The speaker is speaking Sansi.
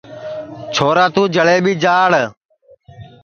چھورا توں جݪئیٻی جاݪ